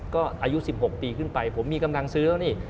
ก็อายุ๑๖ปีขึ้นไปผมมีกำลังซื้อแล้วนี่